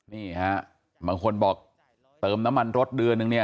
นี่ครับบางคนบอกเติมน้ำมันรสเดือนนึง